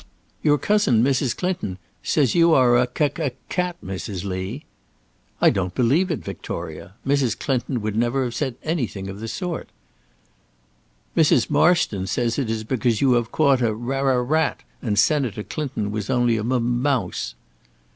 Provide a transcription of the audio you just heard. "Your cousin, Mrs. Clinton, says you are a ca ca cat, Mrs. Lee." "I don't believe it, Victoria. Mrs. Clinton never said anything of the sort." "Mrs. Marston says it is because you have caught a ra ra rat, and Senator Clinton was only a m m mouse!"